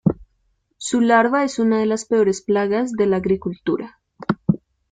Su larva es una de las peores plagas de la agricultura.